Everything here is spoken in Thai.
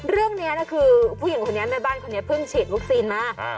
เรื่องนี้นะคือผู้หญิงคนนี้แม่บ้านคนนี้เพิ่งฉีดวัคซีนมา